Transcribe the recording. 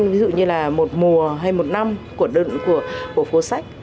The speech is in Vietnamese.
ví dụ như là một mùa hay một năm của phố sách